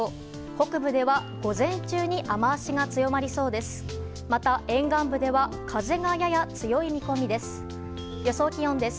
北部では午前中に雨脚が強まりそうです。